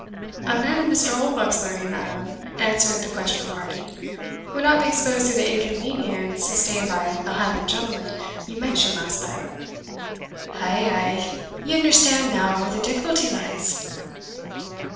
"A man of Mr. Oldbuck's learning, madam," answered the questioned party, "would not be exposed to the inconvenience sustained by the Highland gentleman you mentioned last night." "Ay, ay ye understand now where the difficulty lies.